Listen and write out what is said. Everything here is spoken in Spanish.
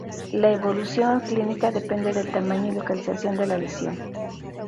La evolución clínica depende del tamaño y localización de la lesión.